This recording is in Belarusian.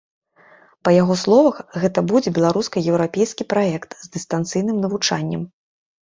Па яго словах, гэта будзе беларуска-еўрапейскі праект з дыстанцыйным навучаннем.